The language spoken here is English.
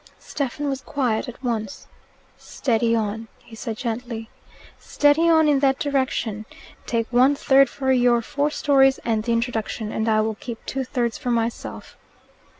Stephen was quiet at once. "Steady on!" he said gently. "Steady on in that direction. Take one third for your four stories and the introduction, and I will keep two thirds for myself."